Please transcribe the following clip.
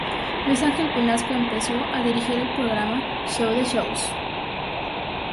Luis Ángel Pinasco empezó a dirigir el programa "Show de Shows".